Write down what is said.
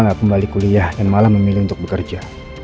tidak kembali kuliah dan malah memilih untuk bekerja